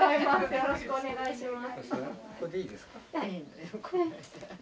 よろしくお願いします。